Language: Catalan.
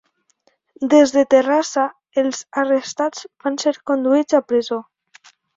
Des de Terrassa, els arrestats van ser conduïts a presó.